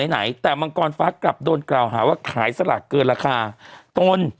ไหนแต่มังกรฟ้ากลับโดนกล่าวหาว่าขายสลากเกินราคาตน